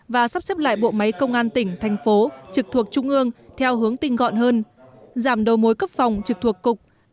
và sắp xếp lại bộ máy công an tỉnh thành phố trực thuộc trung ương theo hướng tinh gọn hơn giảm đầu mối cấp phòng trực thuộc cục